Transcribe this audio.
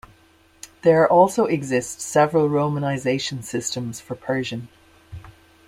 There also exist several romanization systems for Persian.